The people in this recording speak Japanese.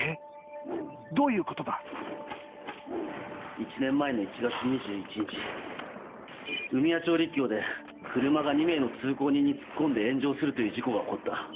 １年前の１月２１日海和町陸橋で車が２名の通行人に突っ込んで炎上するという事故が起こった。